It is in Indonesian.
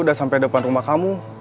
udah sampai depan rumah kamu